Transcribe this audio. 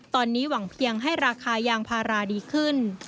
ตอนนี้หวังเพียงให้ราคายางพาราดีขึ้น